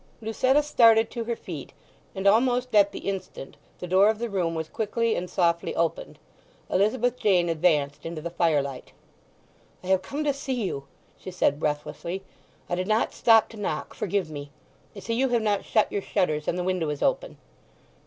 Lucetta started to her feet, and almost at the instant the door of the room was quickly and softly opened. Elizabeth Jane advanced into the firelight. "I have come to see you," she said breathlessly. "I did not stop to knock—forgive me! I see you have not shut your shutters, and the window is open."